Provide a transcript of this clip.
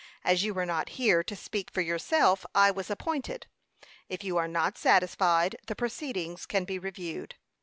As you were not here to speak for yourself, I was appointed. If you are not satisfied, the proceedings can be reviewed."